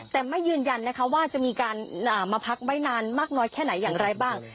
แต่ไม่ยืนยันนะคะว่าจะมีการมาพักไว้นานมากน้อยแค่ไหนอย่างไรบ้าง